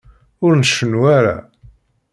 Ur ncennu ara.